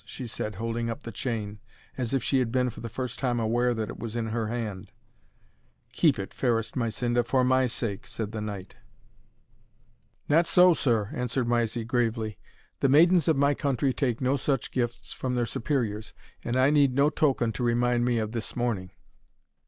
she said, holding up the chain as if she had been for the first time aware that it was in her hand. "Keep it, fairest Mysinda, for my sake," said the Knight. "Not so, sir," answered Mysie, gravely; "the maidens of my country take no such gifts from their superiors, and I need no token to remind me of this morning."